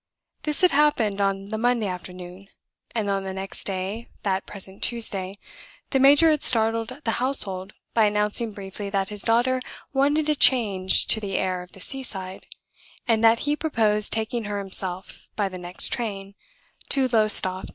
This had happened on the Monday afternoon; and on the next day (that present Tuesday) the major had startled the household by announcing briefly that his daughter wanted a change to the air of the seaside, and that he proposed taking her himself, by the next train, to Lowestoft.